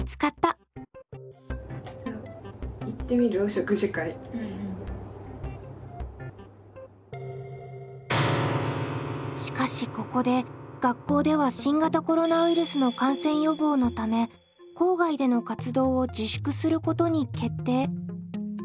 高校生でもしかしここで学校では新型コロナウイルスの感染予防のため校外での活動を自粛することに決定。